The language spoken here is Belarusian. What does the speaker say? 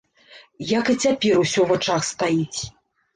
Як і цяпер усё ў вачах стаіць.